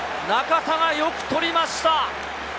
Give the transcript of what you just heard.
中田がよく捕りました。